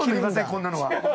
こんなのは。